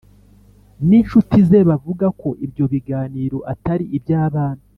n’inshuti ze bavuga ko ibyo biganiro atari iby’abana,